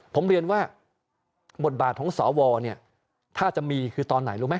ผมเรียนว่าบทบาทของสวเนี่ยถ้าจะมีคือตอนไหนรู้ไหม